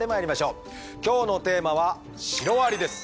今日のテーマは「シロアリ」です。